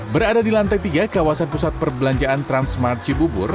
berada di lantai tiga kawasan pusat perbelanjaan transmarci bubur